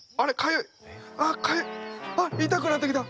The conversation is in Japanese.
痛くなってきた！